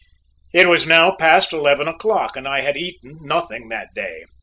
It was now past eleven o'clock, and I had eaten nothing that day.